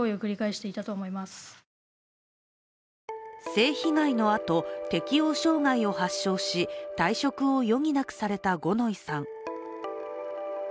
性被害のあと、適応障害を発症し退職を余儀なくされた五ノ井さん。